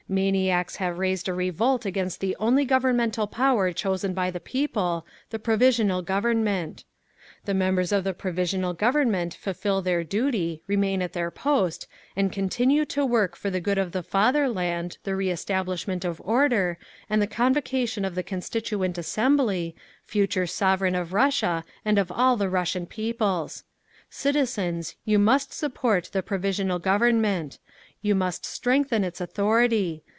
Maniacs have raised a revolt against the only governmental power chosen by the people, the Provisional Government…. "The members of the Provisional Government fulfil their duty, remain at their post, and continue to work for the good of the fatherland, the reestablishment of order, and the convocation of the Constituent Assembly, future sovereign of Russia and of all the Russian peoples…. "Citizens, you must support the Provisional Government. You must strengthen its authority.